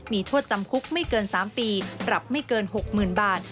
มีโทษจำคุกไม่เกิน๓ปีปรับไม่เกิน๖๐๐๐บาท